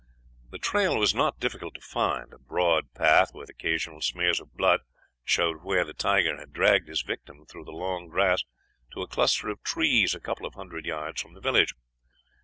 "The trail was not difficult to find. A broad path, with occasional smears of blood, showed where he had dragged his victim through the long grass to a cluster of trees a couple of hundred yards from the village.